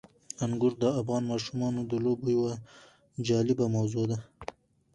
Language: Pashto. انګور د افغان ماشومانو د لوبو یوه جالبه موضوع ده.